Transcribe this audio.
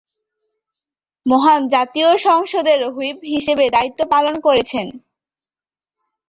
মহান জাতীয় সংসদের হুইপ হিসেবে দায়িত্ব পালন করছেন।